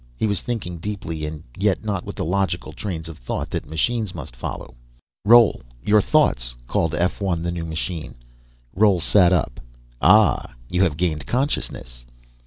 He was thinking deeply, and yet not with the logical trains of thought that machines must follow. "Roal your thoughts," called F 1, the new machine. Roal sat up. "Ah you have gained consciousness."